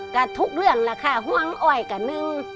ก็ทุกเรื่องแล้วค่ะคร้วงด้วยกับนึง